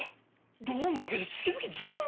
ローンだけで月々１２万！？